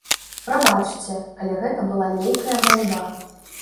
Прабачце, але гэта была нейкая ганьба!